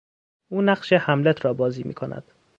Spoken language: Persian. او نقش هملت را بازی میکند.